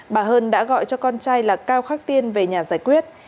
bà hơn đã gọi cho con trai là cao khắc tiên về nhà giải quyết